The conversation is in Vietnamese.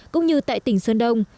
cũng như tại tỉnh sơn đông